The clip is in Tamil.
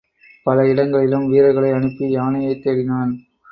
பல இடங்களிலும் வீரர்களை அனுப்பி யானையைத் தேடினான்.